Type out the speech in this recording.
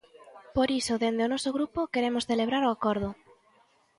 Por iso dende o noso grupo queremos celebrar o acordo.